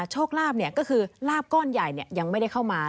โชคลาภก็คือลาบก้อนใหญ่ยังไม่ได้เข้ามา